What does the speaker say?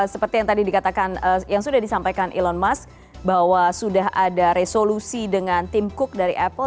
seperti yang tadi dikatakan yang sudah disampaikan elon musk bahwa sudah ada resolusi dengan tim cook dari apple